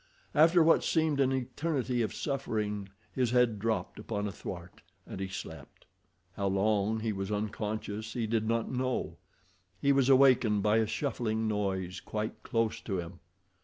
After what seemed an eternity of suffering his head dropped upon a thwart, and he slept. How long he was unconscious he did not know—he was awakened by a shuffling noise quite close to him.